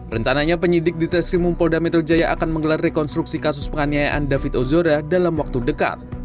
rencananya penyidik di treskrimum polda metro jaya akan menggelar rekonstruksi kasus penganiayaan david ozora dalam waktu dekat